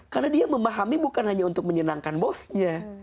karena dia memahami bukan hanya untuk menyenangkan bosnya